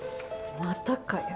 またかよ。